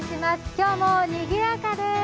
今日も賑やかです。